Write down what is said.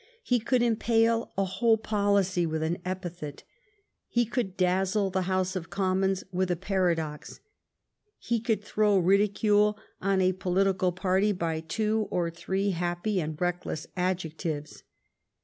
He c(]uld impale n whole poiicy with an epithet. He could dazzle the House of Commons with a para dox. He could throw ridicule on a pohtical party by two or three happy and reckless adjec tives.